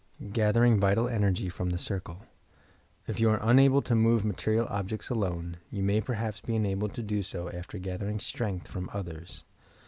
OATHBRINQ VFTAL ENEatOY FROM THE CmCLB If you are unable to move material objects alone, you may perhaps be enabled to do so after gathering strength from others.